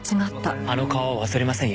あの顔は忘れませんよ。